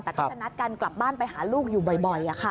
แต่ก็จะนัดกันกลับบ้านไปหาลูกอยู่บ่อย